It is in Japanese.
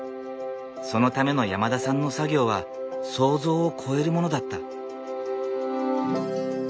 そのための山田さんの作業は想像を超えるものだった。